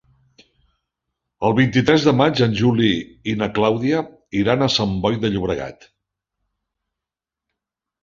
El vint-i-tres de maig en Juli i na Clàudia iran a Sant Boi de Llobregat.